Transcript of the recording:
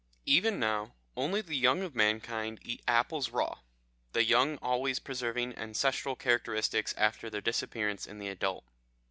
Even now, only the young of mankind eat apples raw the young always preserving ancestral characteristics after their disappearance in the adult.